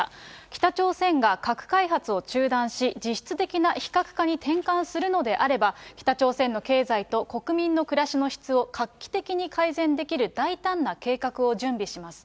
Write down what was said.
北朝鮮が核開発を中断し、実質的な非核化に転換するのであれば、北朝鮮の経済と国民の暮らしの質を画期的に改善できる大胆な計画を準備します。